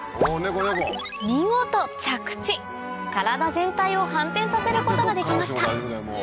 見事着地体全体を反転させることができました